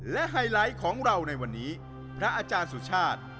และไฮไลท์ของเราในวันนี้พระอาจารย์สุชาติ